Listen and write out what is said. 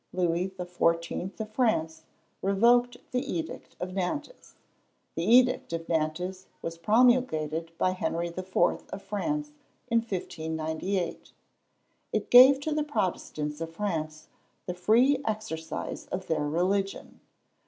Louis the Fourteenth of France revoked the edict of Nantes. The edict of Nantes was promulgated by Henry the Fourth of France in 1598. It gave to the Protestants of France the free exercise of their religion.